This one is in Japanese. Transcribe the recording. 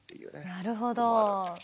なるほど。